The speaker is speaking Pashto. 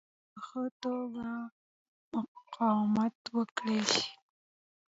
په ښه توګه مقاومت وکړای شي.